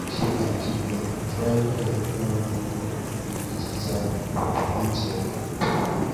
kiyaan kibet boiboyet neo nebo robinik chechang kobunu chebet